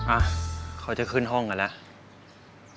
อ่ะเขาจะขึ้นห้องกันแล้ว